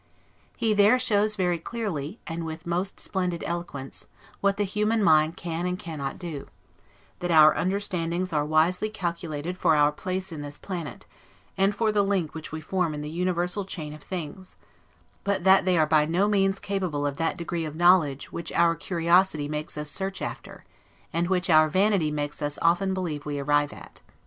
He there shows very clearly, and with most splendid eloquence, what the human mind can and cannot do; that our understandings are wisely calculated for our place in this planet, and for the link which we form in the universal chain of things; but that they are by no means capable of that degree of knowledge, which our curiosity makes us search after, and which our vanity makes us often believe we arrive at.